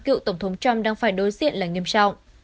của ông trump đang phải đối diện là nghiêm trọng